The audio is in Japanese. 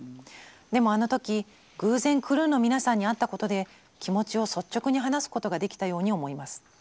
でもあの時偶然クルーの皆さんに会ったことで気持ちを率直に話すことができたように思います。